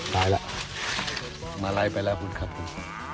ตายแล้วมาลัยไปแล้วคุณครับผม